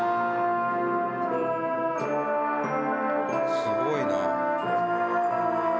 すごいな。